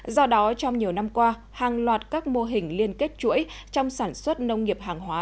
do đó trong nhiều năm qua hàng loạt các mô hình liên kết chuỗi trong sản xuất nông nghiệp hàng hóa